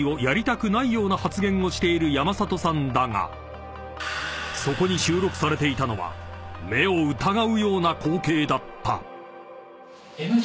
［をしている山里さんだがそこに収録されていたのは目を疑うような光景だった］